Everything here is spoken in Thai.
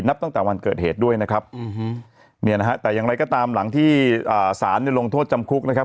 นับตั้งแต่วันเกิดเหตุด้วยนะครับแต่อย่างไรก็ตามหลังที่สารลงโทษจำคุกนะครับ